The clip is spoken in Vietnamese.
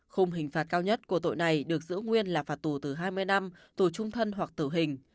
khung hình phạt cao nhất của tội này được giữ nguyên là phạt tù từ hai mươi năm tù trung thân hoặc tử hình